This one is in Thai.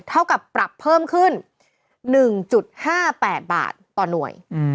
เท่ากับปรับเพิ่มขึ้น๑๕๘บาทต่อหน่วย